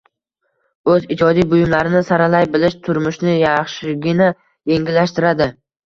o‘z ijodiy buyumlarini saralay bilish, turmushni yaxshigina yengillashtiradi.